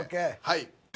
はい。